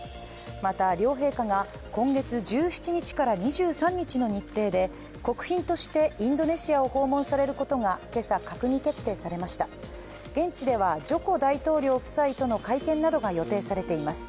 また、両陛下が今月１７日から２３日の日程で国賓としてインドネシアを訪問されることが今朝、閣議決定されました現地ではジョコ大統領夫妻との会見などが予定されています。